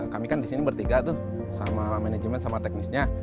kami kan di sini bertiga tuh sama manajemen sama teknisnya